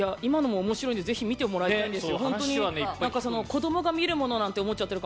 おもしろいのでぜひ見てもらいたいです。